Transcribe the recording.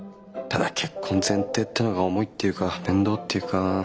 ただ結婚前提っていうのが重いっていうか面倒っていうか。